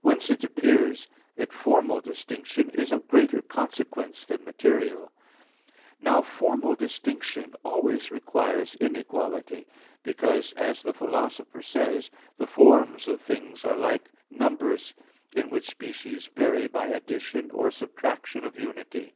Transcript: Whence it appears that formal distinction is of greater consequence than material. Now, formal distinction always requires inequality, because as the Philosopher says (Metaph. viii, 10), the forms of things are like numbers in which species vary by addition or subtraction of unity.